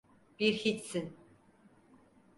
Bir hiçsin.